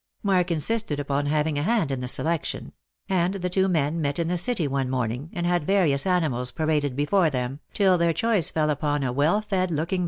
Mark insisted upon having a hand in the selection; and the two men met in the City one morning, and had various animals paraded before them, till their choice fell upon a well fed looking Lost for Love.